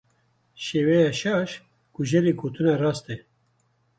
Şêweya şaş, kujerê gotina rast e.